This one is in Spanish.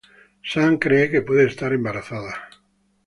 Sun cree que puede estar embarazada.